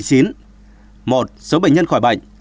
một số bệnh nhân khỏi bệnh